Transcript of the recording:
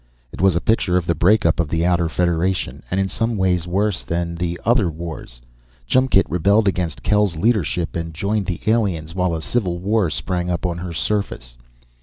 It was a picture of the breakup of the Outer Federation, and in some ways worse than the other wars. Chumkt rebelled against Kel's leadership and joined the aliens, while a civil war sprang up on her surface.